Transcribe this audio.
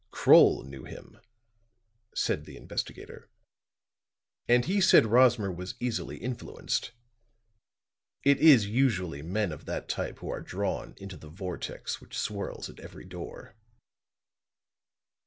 "Kroll knew him," said the investigator. "And he said Rosmer was easily influenced. It is usually men of that type who are drawn into the vortex which swirls at every door."